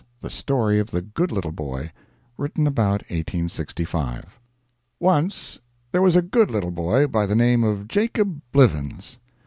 THE STORY OF THE GOOD LITTLE BOY [Written about 1865] Once there was a good little boy by the name of Jacob Blivens.